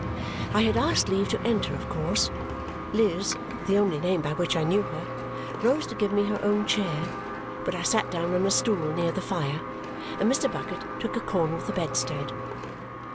I had asked leave to enter of course. Liz (the only name by which I knew her) rose to give me her own chair, but I sat down on a stool near the fire, and Mr. Bucket took a corner of the bedstead.